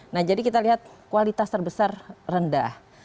nah jadi kita lihat kualitas terbesar rendah